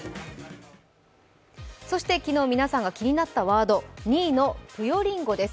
そして皆さんが昨日気になったワード、２位のぷよりんごです。